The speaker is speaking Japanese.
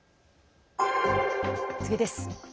次です。